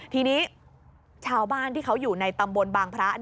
ทีนี้ชาวบ้านที่เขาอยู่ในตำบลบางพระ